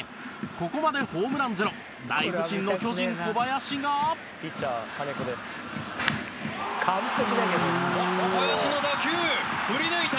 ここまでホームラン、ゼロ大不振の巨人、小林が実況：小林の打球、振り抜いた！